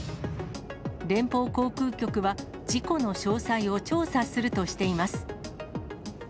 連邦航空局は、事故の詳細を調査するとしています。